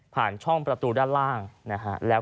พร้อมกับหยิบมือถือขึ้นไปแอบถ่ายเลย